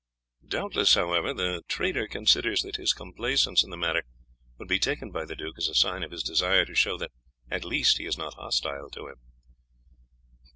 Doubtless, however, the trader considers that his complaisance in the matter would be taken by the duke as a sign of his desire to show that at least he is not hostile to him."